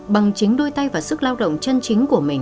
bằng chính đôi tay và sức lao động chân chính của mình